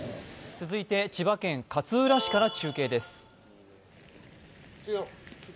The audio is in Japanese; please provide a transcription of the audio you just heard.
続いて千葉県勝浦市から中継です。